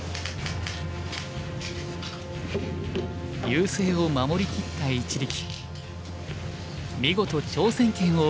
優勢を守りきった一力。